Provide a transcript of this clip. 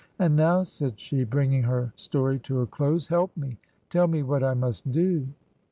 " And now," said she, bringing her story to a close, " help me ! Tell me what I must do